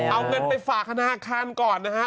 เอาเงินไปฝากคณาคารก่อนนะครับ